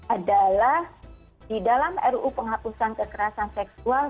adalah di dalam ruu penghapusan kekerasan seksual